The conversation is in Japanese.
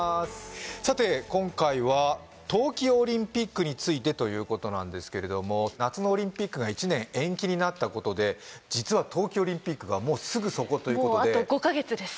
さて今回は冬季オリンピックについてということなんですけれども夏のオリンピックが１年延期になったことで実は冬季オリンピックがもうすぐそこということでもうあと５カ月です